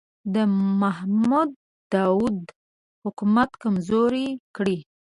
د محمد داوود حکومت کمزوری کړي.